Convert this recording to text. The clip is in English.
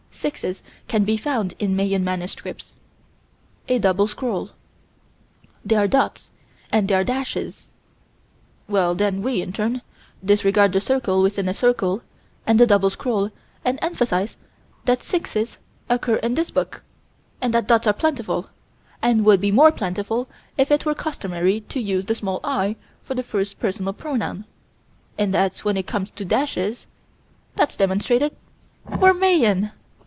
6's can be found in Mayan manuscripts. A double scroll. There are dots and there are dashes. Well, then, we, in turn, disregard the circle within a circle and the double scroll and emphasize that 6's occur in this book, and that dots are plentiful, and would be more plentiful if it were customary to use the small "i" for the first personal pronoun that when it comes to dashes that's demonstrated: we're Mayan.